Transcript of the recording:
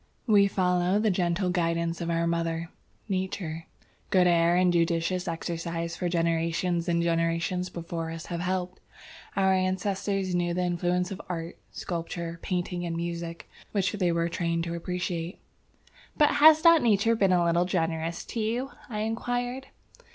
"We follow the gentle guidance of our mother, Nature. Good air and judicious exercise for generations and generations before us have helped. Our ancestors knew the influence of art, sculpture, painting and music, which they were trained to appreciate." "But has not nature been a little generous to you?" I inquired.